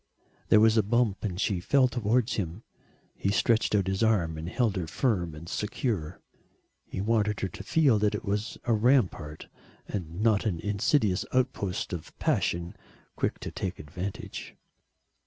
There was a bump and she fell towards him. He stretched out his arm and held her firm and secure. He wanted her to feel that it was a rampart and not an insidious outpost of passion quick to take advantage.